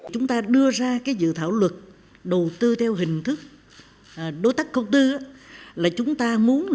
chúng ta đưa ra cái dự thảo luật đầu tư theo hình thức đối tác công tư là chúng ta muốn